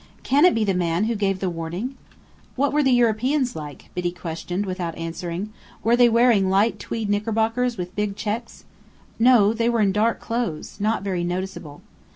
Can it be the man who gave the warning?" "What were the Europeans like?" Biddy questioned, without answering. "Were they wearing light tweed knickerbockers with big checks?" "No, they were in dark clothes, not very noticeable."